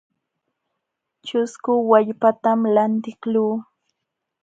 Ćhusku wallpatam lantiqluu.